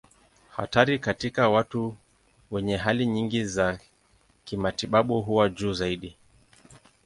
Hatari katika watu wenye hali nyingi za kimatibabu huwa juu zaidi.